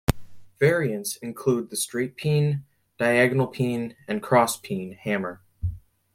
Variants include the straight-peen, diagonal-peen, and cross-peen hammer.